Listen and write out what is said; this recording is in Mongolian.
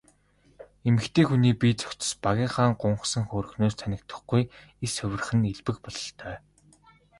Эмэгтэй хүний бие цогцос багынхаа гунхсан хөөрхнөөс танигдахгүй эрс хувирах нь элбэг бололтой.